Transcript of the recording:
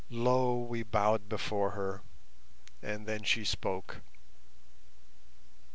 Low we bowed before her, and then she spoke.